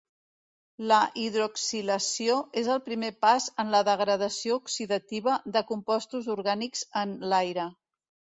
La hidroxilació és el primer pas en la degradació oxidativa de compostos orgànics en l'aire.